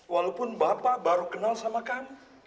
walaupun bapak baru kenal sama kami